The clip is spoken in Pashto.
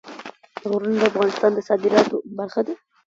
غرونه د افغانستان د صادراتو برخه ده.